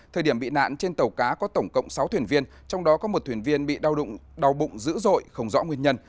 thời điểm bị nạn trên tàu cá có tổng cộng sáu thuyền viên trong đó có một thuyền viên bị đau bụng dữ dội không rõ nguyên nhân